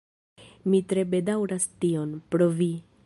Mi tre bedaŭras tion, pro vi.